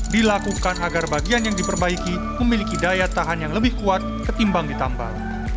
dilakukan agar bagian yang diperbaiki memiliki daya tahan yang lebih kuat ketimbang ditambal